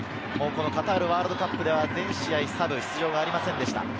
カタールワールドカップでは全試合サブ、出場がありませんでした。